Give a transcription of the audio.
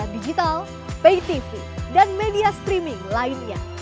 dan media streaming lainnya